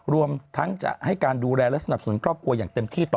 รวมทั้งจะให้การดูแลและสนับสนุนครอบครัวอย่างเต็มที่